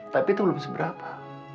tapi itu belum seberapa